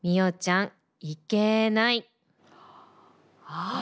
ああ！